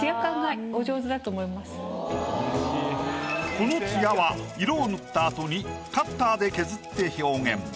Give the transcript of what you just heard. このツヤは色を塗ったあとにカッターで削って表現。